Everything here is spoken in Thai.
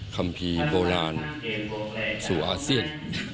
คำภีร์โบราณสู่อาเซียน